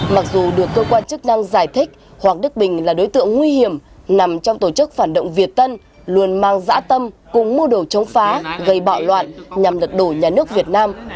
mặc dù được cơ quan chức năng giải thích hoàng đức bình là đối tượng nguy hiểm nằm trong tổ chức phản động việt tân luôn mang giã tâm cùng mua đồ chống phá gây bạo loạn nhằm lật đổ nhà nước việt nam